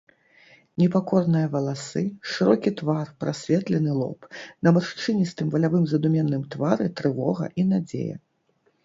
Непакорныя валасы, шырокі твар, прасветлены лоб, на маршчыністым валявым задуменным твары трывога і надзея.